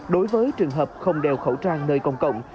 đối với trường hợp không đeo khẩu trang nơi công cộng